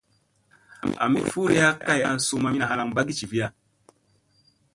Ami furiya kay ana suu mamina halaŋ ɓagii jiviya.